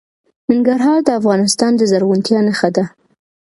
ننګرهار د افغانستان د زرغونتیا نښه ده.